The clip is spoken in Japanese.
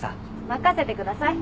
任せてください。